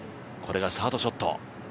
これがサードショット。